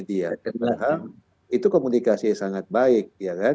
itu komunikasi sangat baik